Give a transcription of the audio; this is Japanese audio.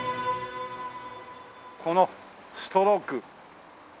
このストロークねえ。